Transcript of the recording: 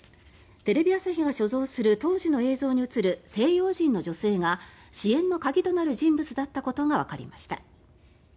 テレビ朝日が所蔵する当時の映像に映る西洋人の女性が支援の鍵となる人物だったことがわかりました。